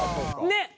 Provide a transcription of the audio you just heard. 「ねっ！」